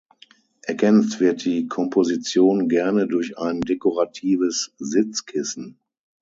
Ergänzt wird die Komposition gerne durch ein dekoratives Sitzkissen.